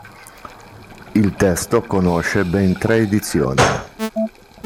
Il testo conosce ben tre edizioni.